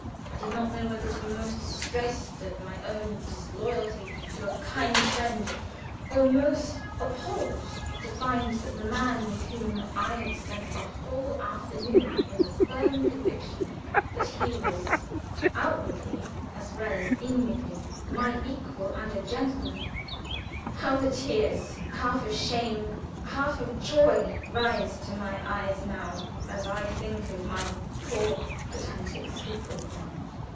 I did not know whether to be most distressed at my own disloyalty to a kind friend, or most appalled to find that the man with whom I had spent a whole afternoon in the firm conviction that he was outwardly, as well as inwardly, my equal and a gentleman (how the tears, half of shame, half of joy, rise to my eyes now as I think of my poor, pedantic little scruples then!)